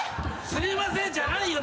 「すいません」じゃないよ。